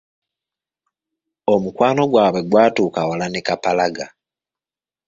Omukwano gwabwe gwatuuka wala ne Kapalaga.